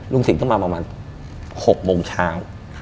สิ่งต้องมาประมาณ๖โมงเช้า